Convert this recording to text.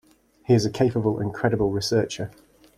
He is a capable and credible researcher.